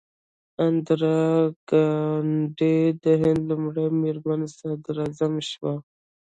اندرا ګاندي د هند لومړۍ میرمن صدراعظم شوه.